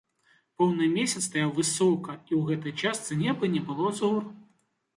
Поўны месяц стаяў высока, і ў гэтай частцы неба не было зор.